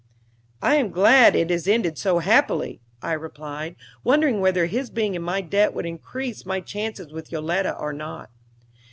"I am glad it has ended so happily," I replied, wondering whether his being in my debt would increase my chances with Yoletta or not.